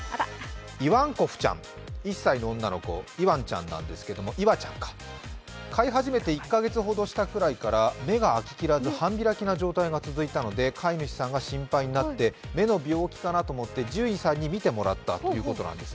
イワンコフちゃん、１歳の女の子なんですけど飼い始めて１か月ほどしたくらいから、目が開ききらず半開きな状態が続いたので飼い主さんが心配になって目の病気かなと思って獣医さんに診てもらったということです。